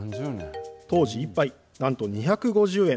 当時、一杯何と２５０円。